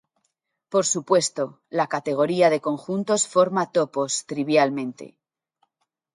Por supuesto, la categoría de conjuntos forma topos, trivialmente.